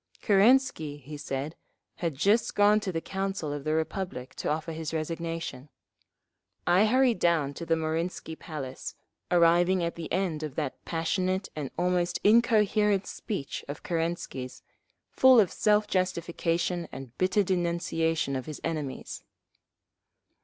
Kerensky, he said, had just gone to the Council of the Republic to offer his resignation. I hurried down to the Marinsky Palace, arriving at the end of that passionate and almost incoherent speech of Kerensky's, full of self justification and bitter denunciation of his enemies.